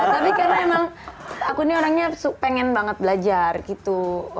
tapi karena emang aku nih orangnya pengen banget belajar gitu